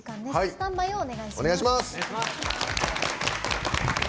スタンバイをお願いします。